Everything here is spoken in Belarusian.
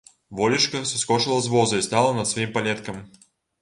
Волечка саскочыла з воза і стала над сваім палеткам.